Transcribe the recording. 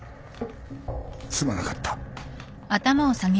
すまなかった。